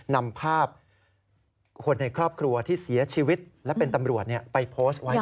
นำภาพคนในครอบครัวที่เสียชีวิตและเป็นตำรวจไปโพสต์ไว้